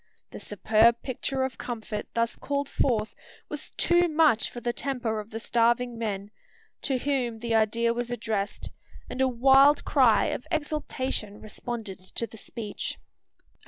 The superb picture of comfort thus called forth was too much for the temper of the starving men, to whom the idea was addressed; and a wild cry of exultation responded to the speech.